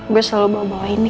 gue selalu bawa bawa ini